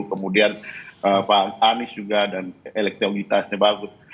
kemudian pak anies juga dan elektabilitasnya bagus